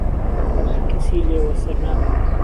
کهسی لێ وەسەر ناکهوی